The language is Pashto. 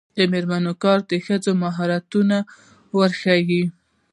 د میرمنو کار د ښځو مهارتونه ورښيي.